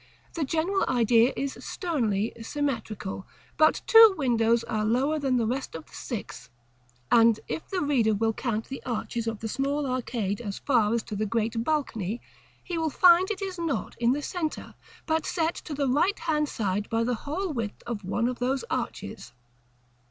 the general idea is sternly symmetrical; but two windows are lower than the rest of the six; and if the reader will count the arches of the small arcade as far as to the great balcony, he will find it is not in the centre, but set to the right hand side by the whole width of one of those arches.